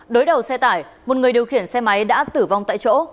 đối đầu xe tải một người điều khiển xe máy đã tử vong tại chỗ